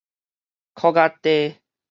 觳仔炱